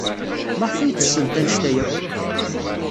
Maɣef ay ttessent anect-a akk?